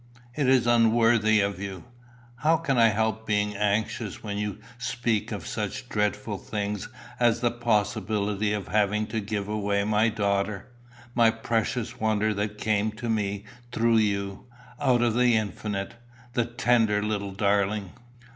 It is unworthy of you." "How can I help being anxious when you speak of such dreadful things as the possibility of having to give away my daughter, my precious wonder that came to me through you, out of the infinite the tender little darling!"